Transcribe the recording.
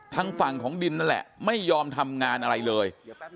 ทางฝั่งของดินนั่นแหละไม่ยอมทำงานอะไรเลย